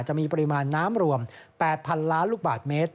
จะมีปริมาณน้ำรวม๘๐๐๐ล้านลูกบาทเมตร